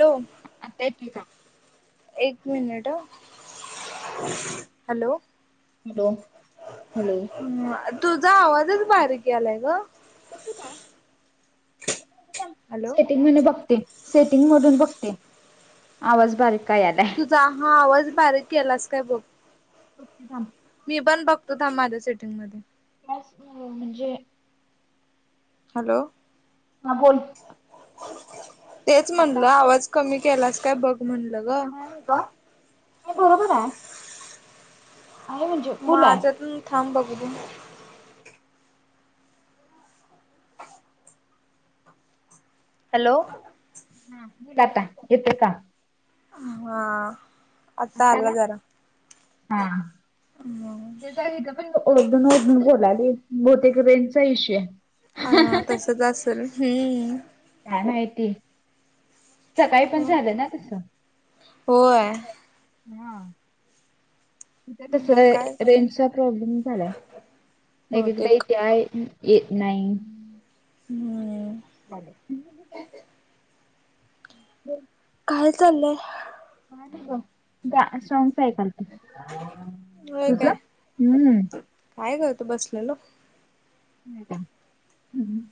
Hello! आता येतोय का? एक मिनिट हा हॅलो! हॅलो! हॅलो! हम्म तुझा आवाजच बाारीक यालाय ग? कस काय एक मिनिट थांब हॅलो सेटिंग मध्ये बघते? सेटिंग मधून बघते आवाज बारीक का या लाय तुझा हा आवाज बारीक केलास काय बघू बघते थांब मी पण बघतो थांब माझ्या सेटिंग मधून काहीच नाही म्हणजे हॅलो हा बोल तेच आता म्हणलं आवाज कमी केलास काय बघ म्हणलं ग? व्हय ग बरोबर आहे. आहे म्हणजे फुल आहे. माझातून थांब बघू दे हॅलो हा बोल आता येतोय का हा आता आला हा हे काय इथ पणओरडून ओरडून बोलाली बहुतेक रेंजचा इशू आहे हा तसच असेल हम्म काय माहिती सकाळी पण झालं ना तसं होय हा इथे कस काय रेंजचा प्रॉब्लेम झालाय एकेकदा बहुतेक इथे आहे येत नाही हम्म [unintelligible] [inaudible] काय चाललंय? काय नाही बघ गाणं सॉंगच ऐकालते होय तुझं काय? हम्म नाही काय करतो बसलेलो [unintelligible] हम ह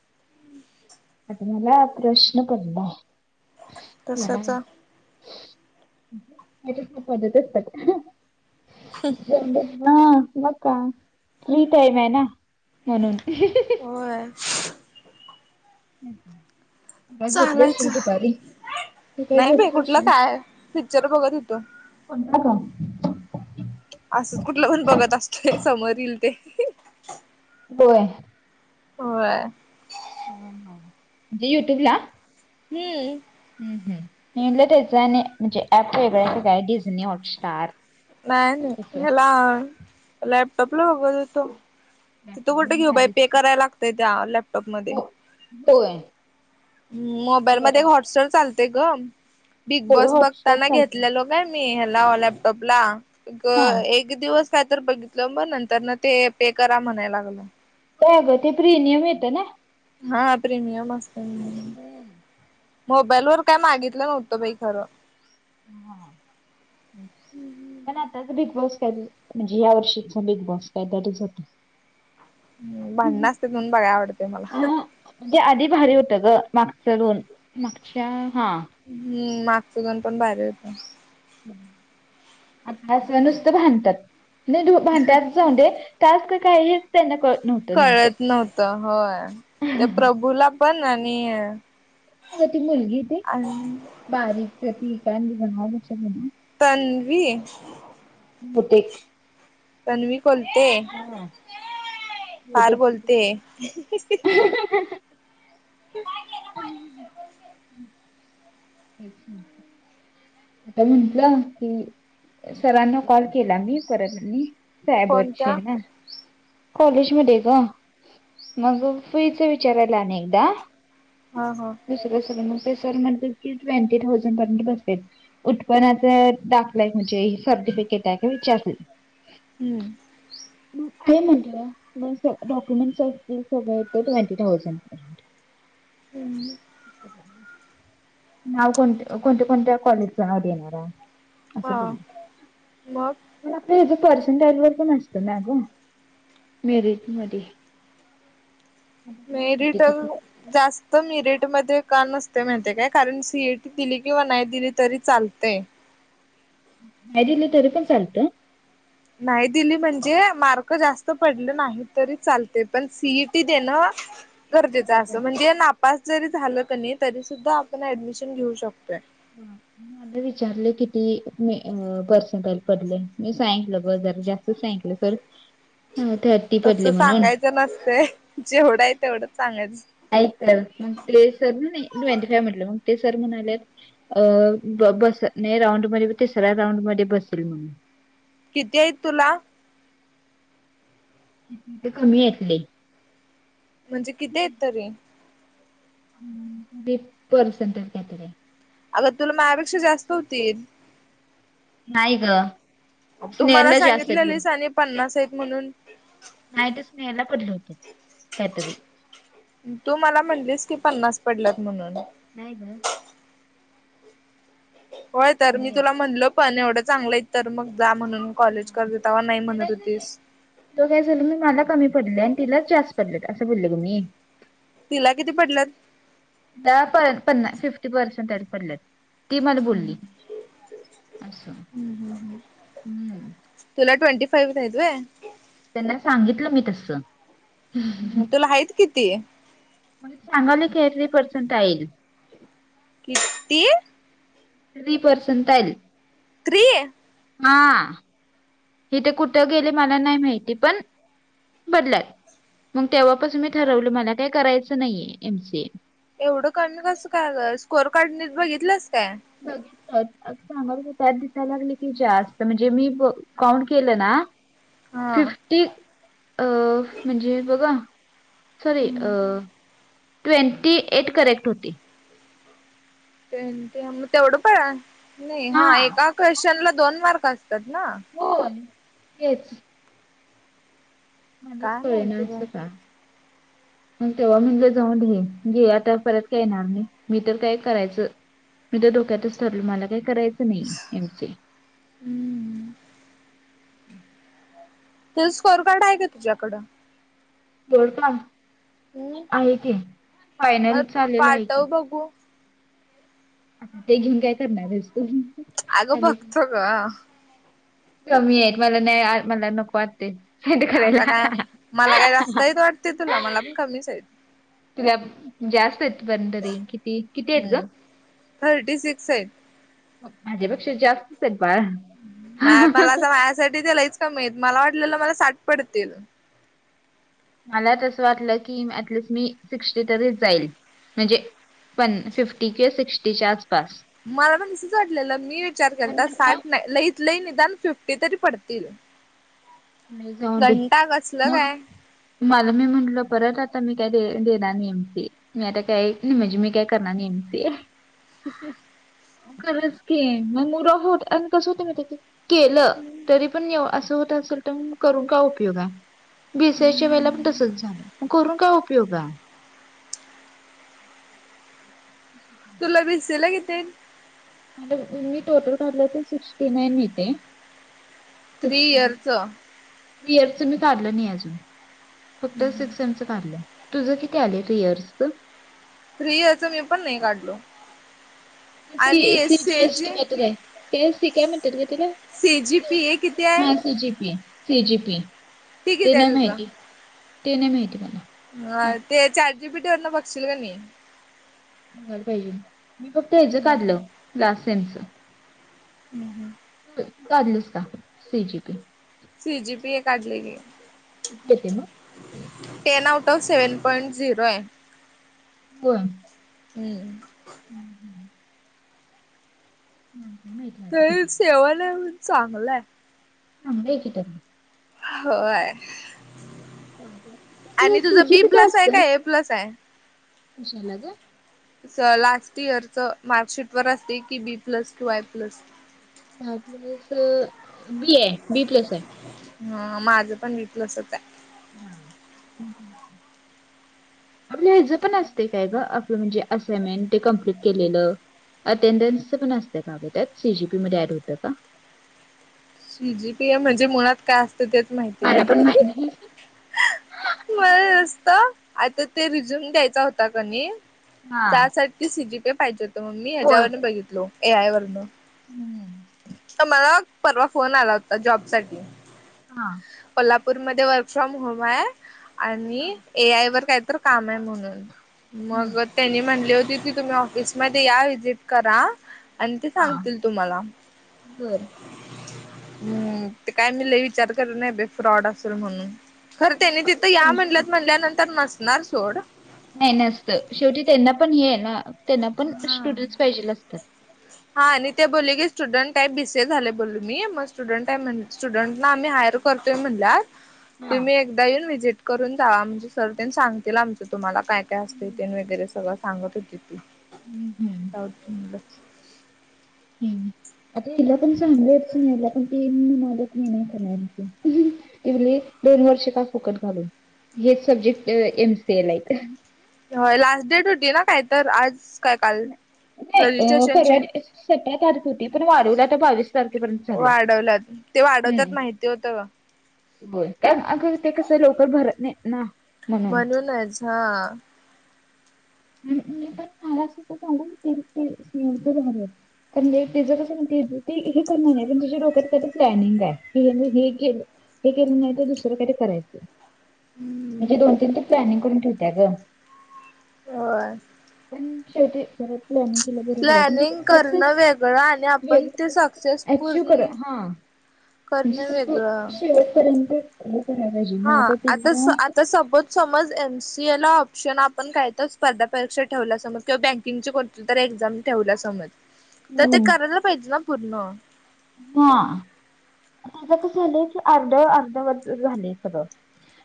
मला प्रश्न पडलाय तसच [unintelligible] [unintelligible] पडत असतात हम [unintelligible] हा मग काय फ्री टाईम आहे ना म्हणून होय [unintelligible] झोपली असशील चालायचं दुपारी नाही बाई कुठलं काय पिक्चर बघत होतो [unintelligible] असंच कुठलं पण बघत असतोय समोर येईल ते होय होय ह हा म्हणजे युट्युब ला हा हम हम मी म्हणलं त्याच आणि म्हणजे ऍप वेगळं हाय डिस्नी हॉटस्टार नाही नाही असं हला लॅपटॉपला बघत होतो तिथे लॅपटॉप कुठे घेऊ बाई पे भारीच कराय लागतय त्या लॅपटॉपमध्ये हो होय मोबाईल मध्ये बरं हॉटस्टार चालते ग बिग होय बॉस हॉटस्टार बघताना चालतय घेतल्या लो नाय मी ह्याला लॅपटॉपला हा एक दिवस काय तर बघितलं मग नंतर ना ते पे करा म्हणायला लागलं होय अगं ते प्रिमियम येत ना हा प्रीमियम असतेय हम्म मोबाईल वर काय मागितलं नव्हतं बाई खरं. हा हम्म. पण आताच बिग बॉस काय म्हणजे या वर्षीचा बिग बॉस काय तरीच होत. भांडण आसतेत म्हणून बघाय आवडते अ मला म्हणजे आधी भारी होतं ग मागच दोन मागच्या हा. हम्म मागच दोन पण भारी होत. आताच नुसतं भांणतात नाही भांडत्यात जाऊन दे जास्त काहीच त्यांना कळत नव्हतं नेमकं कळत नव्हत होय त्या प्रभूला पण आणि अग ती मुलगी त आणि बारीक ती काय बनव. तनवी होते. तणवी बोलते हा फार बहुतेक बोलते. नाही केला मा अच्छा. आता म्हटलं की सरांना कॉल केला मी परतनी काय बछ कोणत्या ना. [unintelligible] कॉलेज मध्ये ग मग फीच विचारायला अ एकदा हा हा. दु स सर म्हण की ट्वेंटी थाउजंडर्यंत बस उत्पन्नाचे दाखलाय म्हणजे सर्टिफिकेट आहे का विचारले. हम्म. मग ते म्हटलं डॉक्युमेंट अस सगळे ट्वेंटी थाउजंड पर्यंत हम. नाव कोणते कोणत्या कोणत्या कॉलेजच नाव देणारा ह मग पण आपलं इथ पर्सेंटेज वर प नसतं ना ग. मिरीट मधी. माहिती किती [unintelligible] जास्त मीरिट मध्ये का नसते माहिती काय कारण सीएटी दिली किंवा नाही दिली तरी चालते. नाही दिली तरी पण चालतंय? नाही दिली म्हणजे मार्क जास्त पडले नाही तरी चालते पण सीईटी देणं. गरजेचं असत इम्पॉर्टंट आहे. म्हणजे या नापास जरी झालं क नाही तरी सुद्धा आपण ऍडमिशन घेऊ शकतोय. हम. मला विचारले किती मी पर्सेनटल पडले मी सांकलं ब जर जास्त सांकलं सर ह. तस सांगायचं नसत जेवढं आहे तेवढं सांगायचं. ऐक मग सर फॅमिलीला मग ते सर म्हणाले. अ ब बस राऊंड मध्ये तिसऱ्या राऊंड मध्ये बसेल म्हणून किती आहेत तुला? किती ते कमी येतले. म्हणजे किती येत त रे. ह पर्सेंटे कातर अग तुला मायापेक्षा जास्त होती. नाहीय ग. तुम्हाला स्नेहरला जास्त सांगितले आहेत लिस आणि पन्नास आहेत म्हणून नाहीईट स्नेला पढती कात. तू मला म्हटलीस की पन्नास पडलात म्हणून नाहीयत. होय तर मी कमी आहे. तुला म्हणल पण एवढं चांगलं आहे तर मग जा म्हणून कॉलेज कर देतावा नाही म्हणत होतीस. तो काय झाल मी मला कमी पडले आणि तिलाच जास्त पडले असं बोलले तुम्ही तिला किती पदलंत? द पन्ना फिफ्टी पर्सेंटरी पडलेत. ती मला बोलली. असं हम्. तुला [inaudible] ट्वेंी फाव्ह [inaudible] आहित व्हय त्यांना सांगितलं मी तस. [inaudible] तुला आहेत किती म्हण [inaudible] सांगाल कॅतरी पर्संटईल कीर्ती. Three percentile. त्रीय. हा, हेथ कुठं गेले मला नाही माहिती, पण बदलात मग तेव्हापासून मी ठरवलं मला काही करायचं नाहीये एम [inaudible] सी एवढं [inaudible] कमी कस [inaudible] काय स्कोर कार्ड बघितलंस काय. [unintelligible] [inaudible] बघित सांगाल त्यात दिसाय लागले की जास्त. म्हणजे मी काउंट केलं ना, हा फिफ्टी अ म्हणजे बघा. सॉरी अ ट्वेंटी एट [inaudible] करयचे होती. ट्वेंटी मग तेवढं पण नाही. हा एका क्वेश्चनला दोन मार्क असतात ना. होय तेच. मलाच काय कळे ना माहिती बाई असं का? [inaudible] मग तेव्हा [inaudible] मीगे जाऊन घे घे आता परत का येणार नाही मी तर काय करायचं मी तर [inaudible] धोक्यातच ठरलो मला काही करायचं नाही एमचे हम्म... ते स्कॉअर कार्ड आहे का तुझ्याकडं? गोल्ड कप हम्म आहे [inaudible] ते फायनल मग चाललेलं आहे की. पाठव बघू [inaudible] अ ते घेऊन काय करणार आहेस तु आग बघतो ग कमी आहेत मला नाही. मला नको वाटते. स्वेट आता काय करायला. मला काय [inaudible] जास्तहीच वाटते तुला मला पण कमीच आहे. तुला जास्त आहेत पन तरी किती, किती आहेत ग. हम्म थर्टी सिक्स आहेत माझ्या पेक्षा जास्त [inaudible] हेत [inaudible] बा नाही मला असं माझ्यासाठी ते लईच कमीेत मला वाटलेलं, मला साठ पडतील. मला तसं वाटलं की अटलिस्ट मी सिक्स्टी तरीच जाईल म्हणजे. पण फिफ्टी किंवा सिक्स्टीच्या आसपास. मला पण तसच वाटलेलं मी विचार करता साठ म्हटलं, नाही [inaudible] ल [inaudible] कलं निदान फिफ्टी तरी पडतील, नाही जाऊन दे घंटा कसल मग काय. मला मी म्हटलो परत आता मी काय देणार [inaudible] नि एमसी [inaudible] [inaudible] म त काय निमजे मी काय करणार [inaudible] नि [inaudible] एमी [inaudible] ह खरच की [inaudible] म मुड ऑफ होत आणि कसं होत [inaudible] मी त्याची केलं तरी पण असं होत असेल तर करू का उपयोग आहे. [inaudible] बीससच्या वेळेला पण तसच झालं करून का उपयोगा. [inaudible] अच् तुला बसिये ला कितेेय? म मी टोटल काढलं तर सिक्स्टी नाईन येते. [inaudible] थ्री इयरचं इर्स मी काढलं नाही अजून फक्त सिक्स [inaudible] पलं तुझं किती आले रियार्सच. फ्री याच मी पण नाही काढलो. आणि C S T S C G केसटी काय म्हणतात ग त्याला. सी जी पी ए किती आहे हा C G P. C G P ती ते किती आहे नाही तुझं? माहिती ते नाही माहिती मला ह ते चार्ट जीपिटीवरन बघशील कनी. मी फक्त ह्याच काढलं लास्ट सेमचं. हम हम. काढलस का C G P. C G P हे काढलेली की क ते ना ten out of seven point zero आहे. होय. हम्म हम. हम. त सेवल आहे म्हणून चांगलंय. हां बे तिखट. होय आपलं आणि तुझ सी जी बी पी काय प्लस आहे का असतं? ए प्लस आहे. कशाला ग. लास्ट इयर च मार्कशीट वर असते की B plus to I plus. Plus B आहे बी प्लस आहे. हा माझं पण बी प्लसच आहे. हम. आपलं ह्याचं पण असते काय ग आपलं म्हणजे असइनमेंट ते कम्प्लीट केलेलं. अटेंडन्सच पण असतं का गं त्यात सीजीपी मध्ये ऍड होतं का? सीजी पीया म्हणजे मुळात काय असतं तेच माहिती मला नाही. पण माहित नाही. बरं असत आता ते रिझ्यूम द्यायचा होता कनी हा त्यासाठी ती सीजीपी पाहिजे होत मग मी ह्याच्यावरून बघितलो ए आय वरन हम. तर मला परवा फोन आला होता जॉब साठी हा कोल्हापूरमध्ये वर्क फ्रॉम होम आहे. आणि बरं. ए आय वर काय तर काम आहे म्हणून मग हं. त्यांनी म्हनले होती की तुम्ही ऑफिसमध्ये या विजिट करा आणि ते सांगतील तुम्हाला बर हम्म ते काय मी लई विचार करत नाहीे फ्रॉड असेल म्हणून खरं नाही त्यांनी तिथं या टेन्शन म्हंल्यात येतं ना. म्हणल्यानंतर नसणार सोड नाही नसत शेवटी त्यांना पण हे आहे ना हा ह. हा आणि ते बोलले की स्टुडंट आहे बीसीए झाले बोलू मी मग स्टुडंट आहे म्ह स्टुडंटला आम्ही हायर करतोय म्हणल्या आज हां. तुम्ही एकदा येऊन व्हिजिट करून जावा म्हणजे सर तेन सांगतील आमचं तुम्हाला काय काय असते ते हं, वगैरे सगळं सांगत होती. हम हम. [unintelligible] [unintelligible] [inaudible] नाही करण्याची तले दोन वर्ष का फुकट घालून. हेच सब्जेक्ट एम सी एल ला येतं. होय लास्ट डेट होती ना काय तर आज काय काल. नाही परवा रजिस्ट्रेशनची सतत आत होती पण वाढवला आता बावीस तारखेपर्यंत झा वाढवलात ते वाढवतात माहिती होतं हो कार अगं ते कसं लवकर भरत नाही ना. म्हणून. म्हणूनच हा मी पण मला [unintelligible] [unintelligible] तिचं कसं ये माहिती ती हे करणार ये पण तिच्या डोक्यांत काहीतरी प्लॅनिंग ये की मी हे केलं. हे केलं नाही तर दुसरं काही ते करायचं म्हणजे हम्म दोन तीन ते प्लॅनिंग करून ठेवती या ग. होय. पण शेवटी पर लर्निंग केलं बरोबर आहे प्लॅनिंग म्हणजे सक्सेस करणं वेगळं आणि आपण ते सक्सेस [inaudible] अचिव कर पूर्ण हा म्हणजे करणं वेगळं शेवटपर्यंत हे करायला पाहिजे हा ना आता तेव्हा आता सपोज समज एम सी ए ला ऑप्शन आपण काय तर स्पर्धा परीक्षा ठेवला समज किंवा बँकिंगचे कोण तर एक्झाम ठेवला समज तर ते हम्म. करायला पाहिजे ना पूर्ण. हा त्याच कस झालंय की अर्ध अर्धवट झालेय सगळ.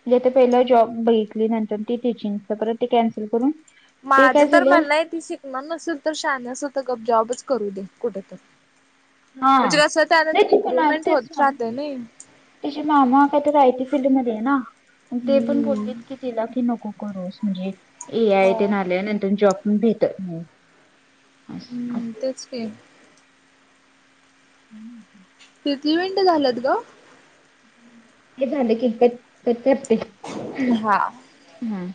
म्हणजे ते पहिलं जॉब बघितली नंतर ती टीचिंगच परत ते कॅन्सल करून - माझं तर म्हणणं ती शिकणार नसेल तर शहाणी असेल तर गप जॉबच करू दे कुठेतरी. हा म्हणजे कस त्यान इम्प्रुव्हमेंट होत राहते नी. तिचे मामा काय तर [unintelligible] सिटी मध्ये ये ना मग ते पण हम्म बोलले- कि तिला की नको करूस म्हणजे ए आय हो ते न आल्यानंतर जॉब पण भेटतं नाहीत. हम्म तेच की [inaudible] किती मिनिटं झाल्यात ग. हे झालं की हा [unintelligible] हा